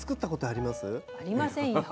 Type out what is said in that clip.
ありませんよ。